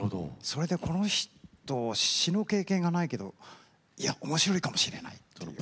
それでこの人詞の経験がないけどいや面白いかもしれないという。